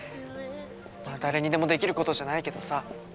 まあ誰にでもできることじゃないけどさ。